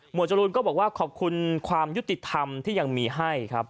จรูนก็บอกว่าขอบคุณความยุติธรรมที่ยังมีให้ครับ